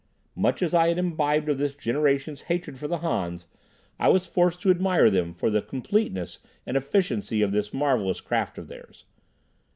Much as I had imbibed of this generation's hatred for the Hans, I was forced to admire them for the completeness and efficiency of this marvelous craft of theirs.